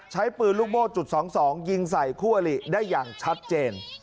ใช้ปืนลูกโม่จุด๒๒ยิงใส่คู่อลิได้อย่างชัดเจน